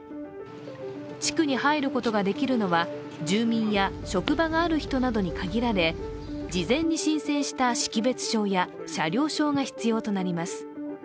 地区に入ることができるのは住民や職場がある人に限られ事前に申請した識別証や車両証が必要となります。